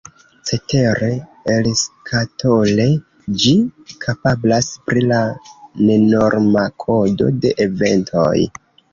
Cetere, elskatole ĝi kapablas pri la nenorma kodo de Eventoj.